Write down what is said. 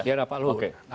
di era pak luhut